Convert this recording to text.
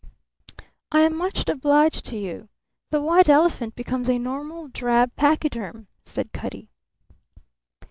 "I am much obliged to you. The white elephant becomes a normal drab pachyderm," said Cutty.